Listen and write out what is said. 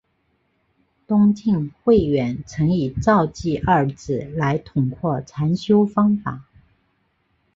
东晋慧远曾以照寂二字来统括禅修方法。